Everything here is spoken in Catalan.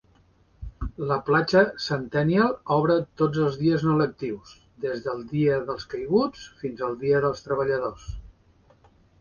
La platja Centennial obre tots els dies no lectius des del Dia dels Caiguts fins al Dia dels Treballadors.